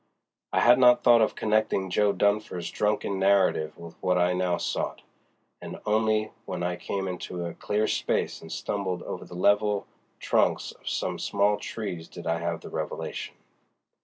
I had not thought of connecting Jo. Dunfer's drunken narrative with what I now sought, and only when I came into a clear space and stumbled over the level trunks of some small trees did I have the revelation.